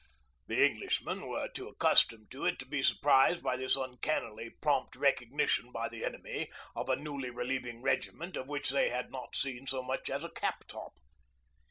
The Englishmen were too accustomed to it to be surprised by this uncannily prompt recognition by the enemy of a newly relieving regiment of which they had not seen so much as a cap top.